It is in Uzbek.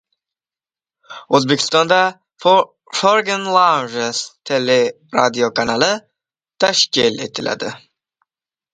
O‘zbekistonda “Foreign Languages” teleradiokanali tashkil etiladi